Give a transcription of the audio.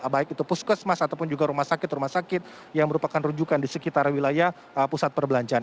baik itu puskesmas ataupun juga rumah sakit rumah sakit yang merupakan rujukan di sekitar wilayah pusat perbelanjaan